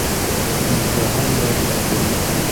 ساینسپوهان دا ثبتوي.